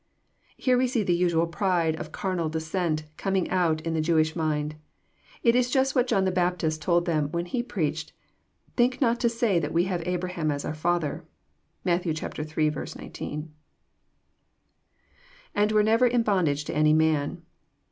] Here we see the usual pride of carnal descent coming out in the Jewish mind. It is jfust what John the Baptist told them when he preached, Think not to say that we have Abraham to our father." (Matt. iU. 19.) lAnd were never in bondage to any man.